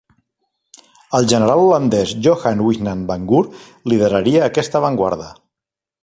El general holandès Johan Wijnand van Goor lideraria aquesta avantguarda.